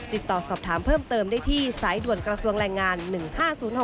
ติดต่อสอบถามเพิ่มเติมได้ที่สายด่วนกระทรวงแรงงาน๑๕๐๖